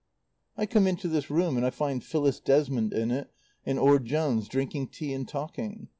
"I come into this room and I find Phyllis Desmond in it and Orde Jones, drinking tea and talking.